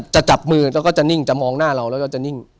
จับมือแล้วก็จะนิ่งจะมองหน้าเราแล้วก็จะนิ่ง